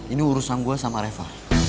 ini urusan gue sama reva